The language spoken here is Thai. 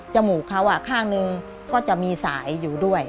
มูกเขาข้างนึงก็จะมีสายอยู่ด้วย